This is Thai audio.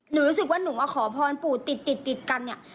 หนูรู้สึกว่าหนูว่าขอพรปู่ติดกัน